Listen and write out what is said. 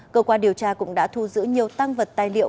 cơ quan điều tra cũng đã thu giữ nhiều tăng vật tài liệu